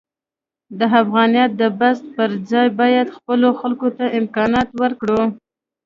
د افغانیت د بحث پرځای باید خپلو خلکو ته امکانات ورکړو.